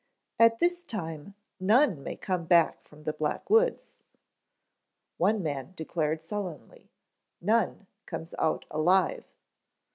"At this time none may come back from the Black Woods," one man declared sullenly. "None comes out alive."